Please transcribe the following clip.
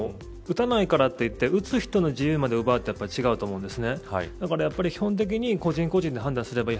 でも、打たないからといって打つ人の自由まで奪うのは違うと思うんです。